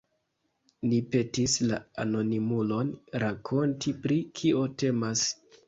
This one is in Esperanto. Ni petis la anonimulon rakonti, pri kio temas.